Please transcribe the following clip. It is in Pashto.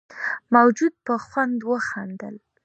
موجود په خوند وخندل.